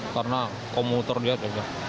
karena komuter juga